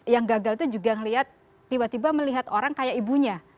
yang gagal itu juga melihat tiba tiba melihat orang kayak ibunya